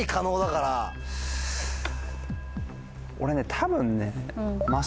俺ね多分ね。